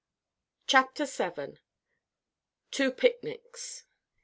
CHAPTER VII. TWO PICNICS.